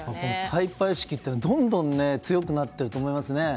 タイパ意識って、どんどんと強くなっていると思いますね。